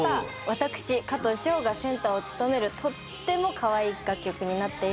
私加藤史帆がセンターを務めるとってもかわいい楽曲になっています。